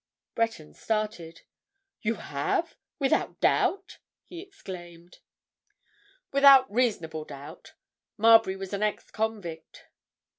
Breton started. "You have? Without doubt?" he exclaimed. "Without reasonable doubt. Marbury was an ex convict."